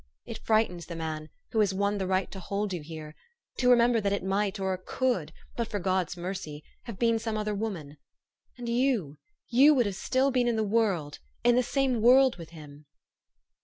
It frightens the man who has won the right to hold you here to remember that it might or could, but for God's mercy, have been some other woman. And you you would have still been in the world, in the same world with him